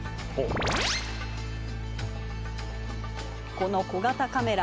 この小型カメラ